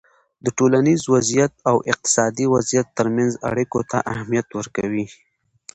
د ټولنیز وضععیت او اقتصادي وضعیت ترمنځ اړیکو ته اهمیت ورکوی